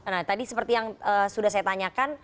nah tadi seperti yang sudah saya tanyakan